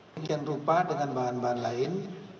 mungkin rupa dengan bahan bahan lain